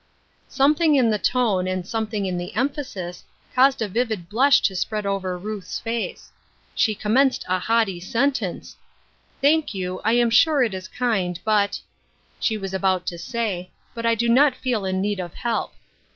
^^ Something in the tone and something in the emphasis caused a vivid blush to spread over Ruth's face. She commenced a haughty sen tence :" Thank you ; I am sure it is kind ; but —" She was about to say, " but, I do not feel in need of help."